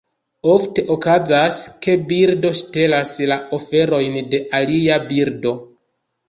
Ofte okazas, ke birdo ŝtelas la aferojn de alia birdo.